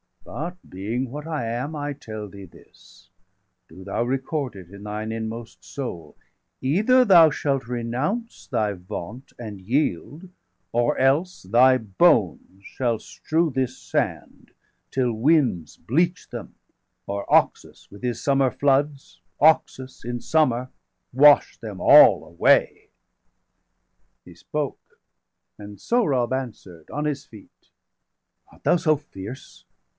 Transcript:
But being what I am, I tell thee this Do thou record it in thine inmost soul: Either thou shalt renounce thy vaunt and yield, 375 Or else thy bones shall strew this sand, till winds Bleach them, or Oxus with his summer floods, Oxus in summer wash them all away." He spoke; and Sohrab answer'd, on his feet: "Art thou so fierce?